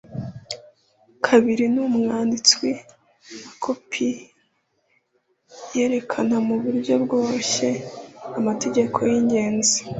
kabiri ni uwanditswe na a. coupez yerekana mu buryo bworoshye amategeko y'ingenzi